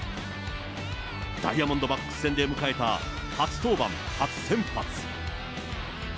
ダイヤモンドバックス戦で迎えた初登板、初先発。